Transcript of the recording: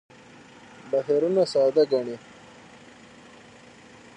بهیرونه ساده ګڼي.